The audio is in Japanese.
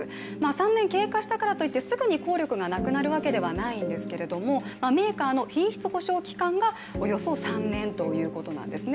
３年経過したからといって、すぐに効力がなくなるわけではないんですけれどもメーカーの品質保証期間がおよそ３年ということなんですね。